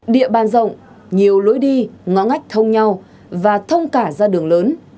địa bàn rộng nhiều lối đi ngõ ngách thông nhau và thông cả ra đường lớn